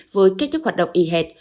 với kết thúc hoạt động y hệt